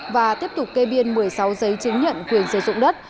và tiếp tục kê biên một mươi sáu giấy chứng nhận quyền sử dụng đất